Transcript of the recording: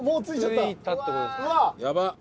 やばっ！